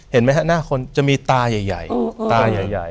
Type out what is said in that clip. เห็นมั้ยครับหน้าคนจะมีตาใหญ่